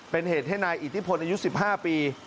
เป็นเหตุให้นายอิทธิพลอายุ๑๕ปี